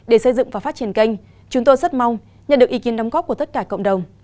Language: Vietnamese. để xây dựng và phát triển kênh chúng tôi rất mong nhận được ý kiến đóng góp của tất cả cộng đồng